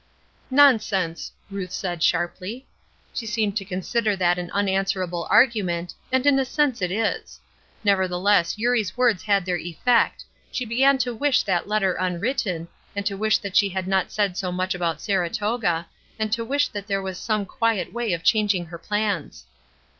"Nonsense!" Ruth said, sharply. She seemed to consider that an unanswerable argument, and in a sense it is. Nevertheless Eurie's words had their effect; she began to wish that letter unwritten, and to wish that she had not said so much about Saratoga, and to wish that there was some quiet way of changing her plans.